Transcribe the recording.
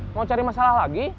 mau cari masalah lagi